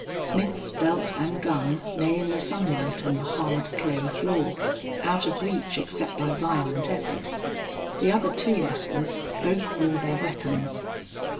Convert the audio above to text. Smith's belt and gun lay in the sunlight on the hard, clay floor, out of reach except by violent effort. The other two rustlers both wore their weapons.